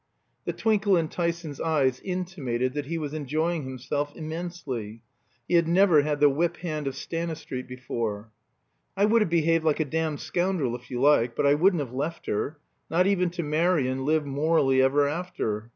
The twinkle in Tyson's eyes intimated that he was enjoying himself immensely. He had never had the whip hand of Stanistreet before. "I would have behaved like a damned scoundrel, if you like. But I wouldn't have left her. Not even to marry and live morally ever after.